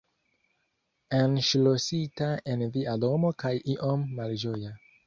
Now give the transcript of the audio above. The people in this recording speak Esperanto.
enŝlosita en via domo kaj iom malĝoja